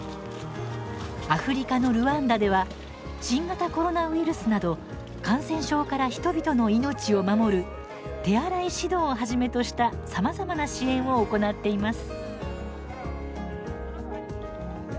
アフリカのルワンダでは新型コロナウイルスなど感染症から人々の命を守る手洗い指導をはじめとしたさまざまな支援を行っています。